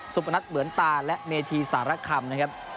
ปนัทเหมือนตาและเมธีสารคำนะครับ